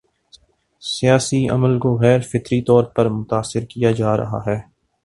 سیاسی عمل کو غیر فطری طور پر متاثر کیا جا رہا ہے۔